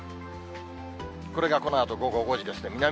これがこのあと午後５時ですね。